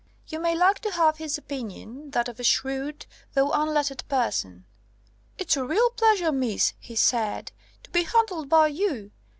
You may like to have his opinion that of a shrewd, though unlettered person. 'It's a real pleasure, miss,' he said, 'to be handled by you.